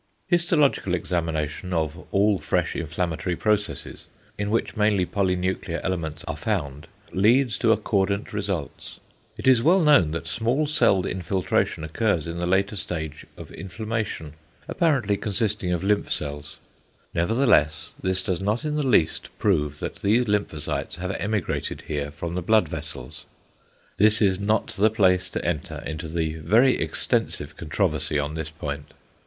Histological examination of all fresh inflammatory processes, in which mainly polynuclear elements are found, leads to accordant results. It is well known that small celled infiltration occurs in the later stage of inflammation, apparently consisting of lymph cells; nevertheless this does not in the least prove that these lymphocytes have emigrated here from the blood vessels. This is not the place to enter into the very extensive controversy on this point.